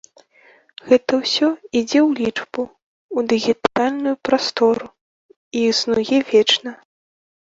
Гэта ўсё ідзе ў лічбу, у дыгітальную прастору, і існуе вечна.